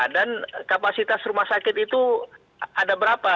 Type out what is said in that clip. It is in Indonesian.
dan kapasitas rumah sakit itu ada berapa